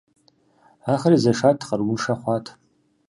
Ахэр езэшат, къарууншэ хъуат.